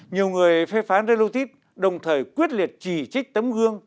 nhiều người phê phán relotip đồng thời quyết liệt chỉ trích tấm gương